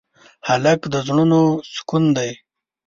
هلک د زړونو سکون دی.